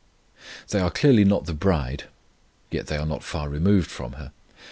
They are clearly not the bride, yet they are not far removed from her.